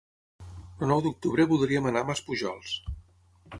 El nou d'octubre voldríem anar a Maspujols.